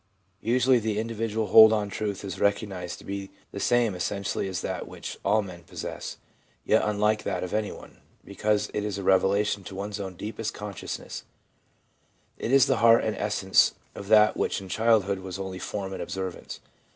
Usually the individual hold on truth is recognised to be the same essentially VIEW OF THE LINE OF RELIGIOUS GROWTH 401 as that which all men possess, yet unlike that of anyone, because it is a revelation to one's own deepest conscious ness. It is the heart and essence of that which in childhood was only form and observance.